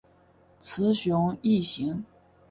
雌雄异型。